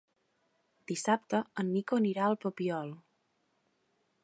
Dissabte en Nico anirà al Papiol.